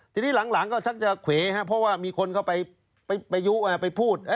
ทีนี้หลังก็ชักจะเขวครับเพราะว่ามีคนเข้าไปพูด